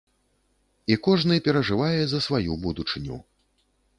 І кожны перажывае за сваю будучыню!